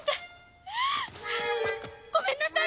ごめんなさい！